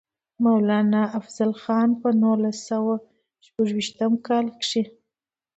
مولانا افضل خان پۀ نولس سوه شپږيشتم کال کښې